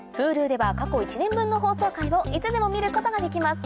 Ｈｕｌｕでは過去１年分の放送回をいつでも見ることができます